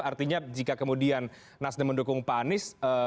artinya jika kemudian nasdem mendukung pak anies